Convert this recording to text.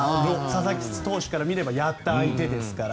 佐々木投手から見ればやった相手ですから。